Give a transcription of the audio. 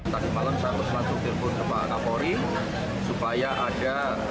tadi malam saya harus langsung telepon kepada kapolri